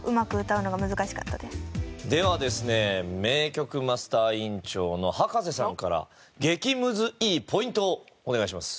名曲マスター委員長の葉加瀬さんから激ムズいいポイントをお願いします。